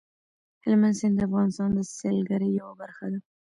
هلمند سیند د افغانستان د سیلګرۍ یوه برخه ده.